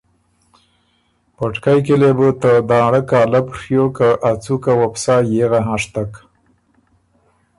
پټکئ کی لې بُو ته دانړۀ کالب ڒیوک که ا څُوکه وه بو سا یېغه هنشتک